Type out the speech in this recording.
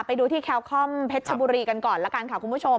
ไปดูที่แคลคอมเพชรชบุรีกันก่อนละกันค่ะคุณผู้ชม